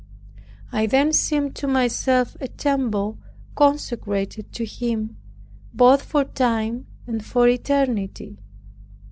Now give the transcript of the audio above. I then seemed to myself a temple consecrated to Him, both for time and for eternity.